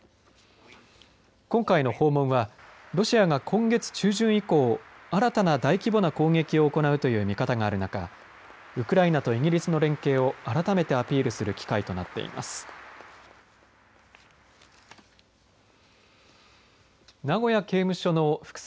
今回の訪問はロシアが今月中旬以降新たな大規模な攻撃を行うという見方がある中ウクライナとイギリスの連携を改めてアピールする機会となっています。